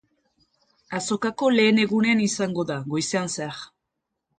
Azokako lehen egunean izango da, goizean zehar.